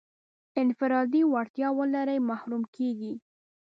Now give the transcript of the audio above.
انفرادي وړتیا ولري محروم کېږي.